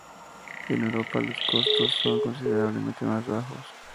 En Europa, los costos son considerablemente más bajos.